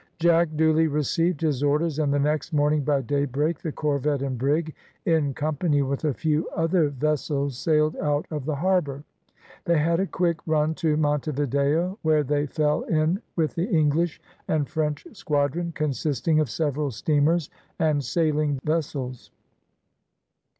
Jack duly received his orders, and the next morning by daybreak the corvette and brig, in company with a few other vessels, sailed out of the harbour. They had a quick run to Monte Video, where they fell in with the English and French squadron, consisting of several steamers and sailing vessels.